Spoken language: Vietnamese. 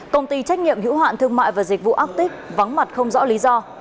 công ty trách nhiệm hữu hạn thương mại và dịch vụ ác tích vắng mặt không rõ lý do